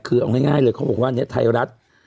คือเอาง่ายเลยเขาบอกว่าเนี่ยไทยรัฐ